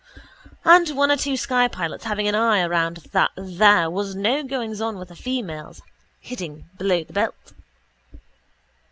And one or two sky pilots having an eye around that there was no goings on with the females, hitting below the belt.